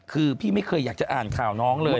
คือพี่ไม่เคยอยากจะอ่านข่าวน้องเลย